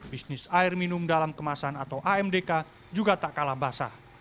bisnis air minum dalam kemasan atau amdk juga tak kalah basah